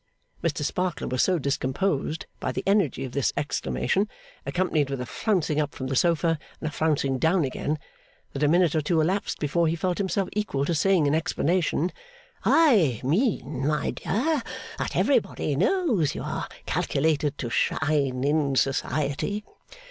Mr Sparkler was so discomposed by the energy of this exclamation, accompanied with a flouncing up from the sofa and a flouncing down again, that a minute or two elapsed before he felt himself equal to saying in explanation: 'I mean, my dear, that everybody knows you are calculated to shine in society.